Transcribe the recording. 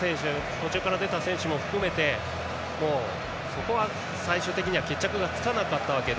途中から出た選手も含めてそこは最終的には決着がつかなかったわけで。